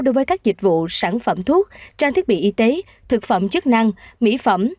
đối với các dịch vụ sản phẩm thuốc trang thiết bị y tế thực phẩm chức năng mỹ phẩm